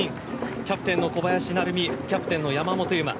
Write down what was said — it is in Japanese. キャプテンの小林成美副キャプテンの山本有真。